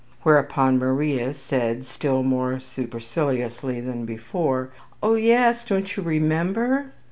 whereupon Maria said still more superciliously than before, 'Oh, yes, don't you remember?'